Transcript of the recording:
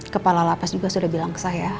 kepala lapas juga sudah bilang ke saya